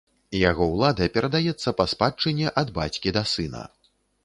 Яго ўлада перадаецца па спадчыне ад бацькі да сына.